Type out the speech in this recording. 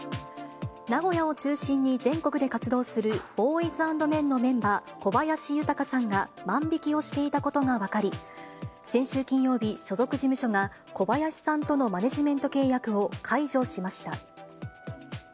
名古屋を中心に全国で活動するＢＯＹＳＡＮＤＭＥＮのメンバー、小林豊さんが万引きをしていたことが分かり、先週金曜日、所属事務所が小林さんとのマネジメント契約を解除しました。